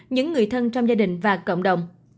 những người thân trong gia đình và cộng đồng